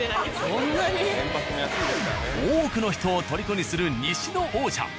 多くの人をとりこにする西の王者。